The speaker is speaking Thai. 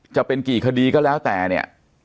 จะเป็นกี่คดีก็แล้วแต่เนี่ย